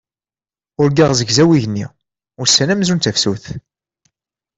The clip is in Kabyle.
Urgaɣ zegzaw yigenni, ussan amzun d tafsut.